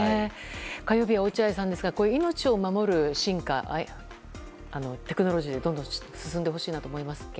火曜日は落合さんですがこうした命を守る進化テクノロジーでどんどん進んでほしいと思いますが。